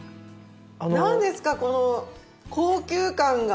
なんですかこの高級感が。